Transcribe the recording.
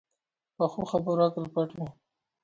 پخو خبرو عقل پټ وي